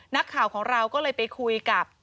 นักข่าวของเราก็เลยไปคุยกับ